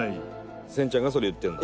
千ちゃんがそれ言ってるんだ。